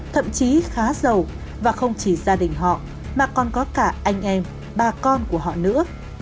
thậm chí khá giàu và không chỉ gia đình họ mà còn có cả anh em ba con của họ nữa